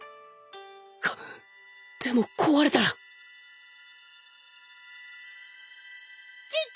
あっでも壊れたら斬って！！